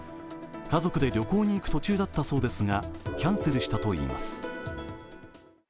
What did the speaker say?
家族で旅行に行く途中だったそうですが、キャンセルしたといいます